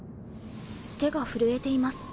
手が震えています。